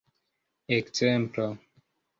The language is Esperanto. ekzemplo